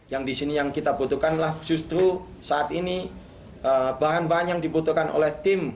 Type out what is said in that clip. yang di sini yang kita butuhkan adalah khususnya saat ini bahan bahan yang dibutuhkan oleh tim satgas